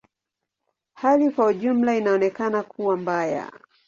Hali kwa ujumla inaonekana kuwa mbaya.